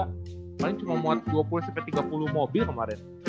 kemarin cuma muat dua puluh sampai tiga puluh mobil kemarin